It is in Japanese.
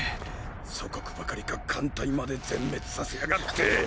祖国ばかりか艦隊まで全滅させやがって。